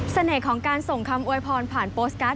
ของการส่งคำอวยพรผ่านโปสการ์